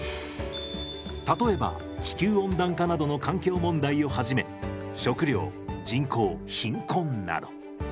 例えば地球温暖化などの環境問題をはじめ食糧人口貧困など。